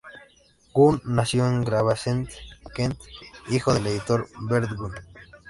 Gunn nació en Gravesend, Kent, hijo del editor Bert Gunn.